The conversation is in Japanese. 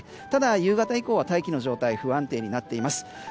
ただ、夕方以降は大気の状態が不安定になっています。